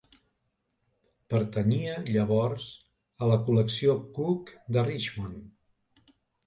Pertanyia llavors a la col·lecció Cook de Richmond.